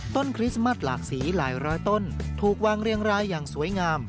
คริสต์มัสหลากสีหลายร้อยต้นถูกวางเรียงรายอย่างสวยงาม